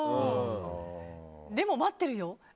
でも、待ってるよ。